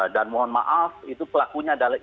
dan mohon maaf itu pelakunya adalah ini